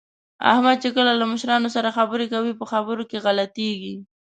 احمد چې کله له مشرانو سره خبرې کوي، په خبرو کې غلطېږي